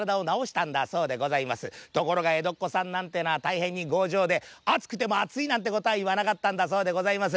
ところがえどっこさんなんてぇのはたいへんに強情であつくてもあついなんてことはいわなかったんだそうでございます。